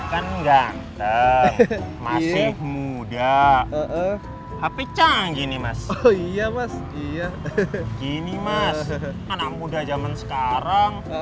kan ganteng masih muda tapi canggih nih mas oh iya mas iya gini mas anak muda zaman sekarang